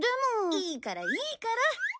いいからいいから！